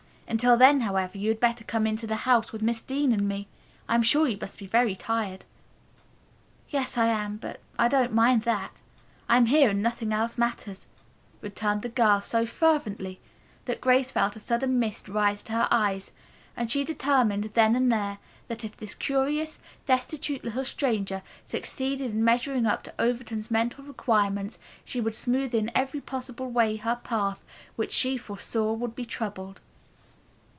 Until then, however, you had better come into the house with Miss Dean and me. I am sure you must be very tired." "Yes, I am, but I don't mind that. I'm here and nothing else matters," returned the girl so fervently that Grace felt a sudden mist rise to her eyes, and she determined, then and there, that if this curious, destitute little stranger succeeded in measuring up to Overton's mental requirements, she would smooth in every possible way her path, which she foresaw would be troubled.